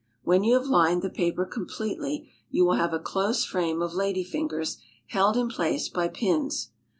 When you have lined the paper completely you will have a close frame of lady fingers held in place by pins.